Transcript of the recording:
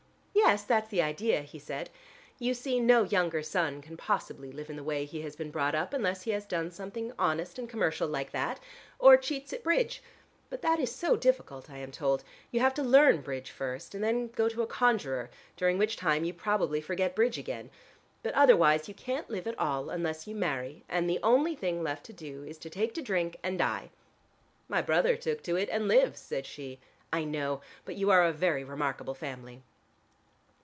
"Yes, that's the idea," he said. "You see no younger son can possibly live in the way he has been brought up unless he has done something honest and commercial like that, or cheats at bridge. But that is so difficult I am told. You have to learn bridge first, and then go to a conjurer, during which time you probably forget bridge again. But otherwise you can't live at all unless you marry and the only thing left to do is to take to drink and die." "My brother took to it and lives," said she. "I know, but you are a very remarkable family."